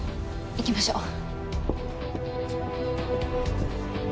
行きましょう。